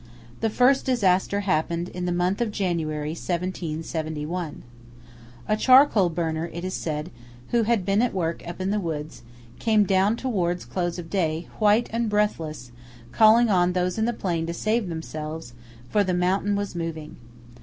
The first disaster happened in the month of January, 1771. A charcoal burner, it is said, who had been at work up in the woods, came down towards close of day, white and breathless, calling on those in the plain to save themselves, for the mountain was moving.